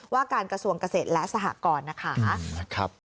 ว่าการกระทรวงเกษตรและสหกรนะคะ